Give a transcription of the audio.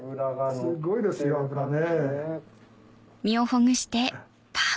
すごいですよ脂ね。